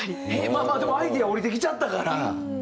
まあまあでもアイデア降りてきちゃったから。